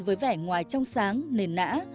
với vẻ ngoài trong sáng nền nã